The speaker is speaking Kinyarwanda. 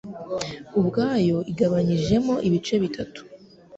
ubwayo igabanyijemo ibice bitatu